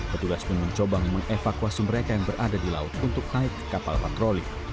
petugas pun mencoba mengevakuasi mereka yang berada di laut untuk naik kapal patroli